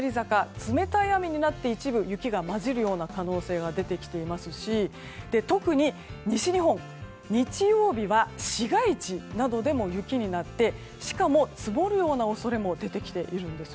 冷たい雨になって一部で雪が交じる可能性が出てきていますし特に西日本、日曜日は市街地などでも雪になって、積もるような恐れも出てきているんです。